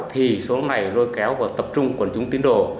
thì số lúc này lôi kéo vào tập trung của quần chúng tín đồ